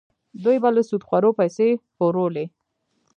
دوی به له سودخورو پیسې پورولې.